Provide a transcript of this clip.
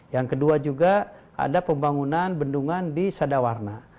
yang kedua juga ada pembangunan bendungan di sadawarna